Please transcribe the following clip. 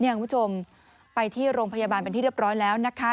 คุณผู้ชมไปที่โรงพยาบาลเป็นที่เรียบร้อยแล้วนะคะ